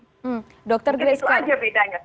itu saja bedanya